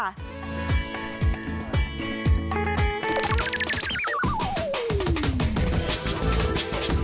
สวัสดีค่ะ